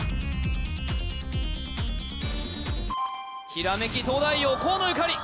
ひらめき東大王河野ゆかり